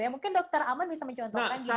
mungkin dokter aman bisa mencontohkan gimana